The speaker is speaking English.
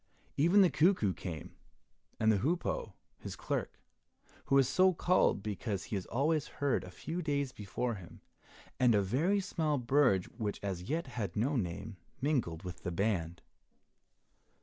Even the cuckoo came, and the hoopoe, his clerk, who is so called because he is always heard a few days before him, and a very small bird which as yet had no name, mingled with the band.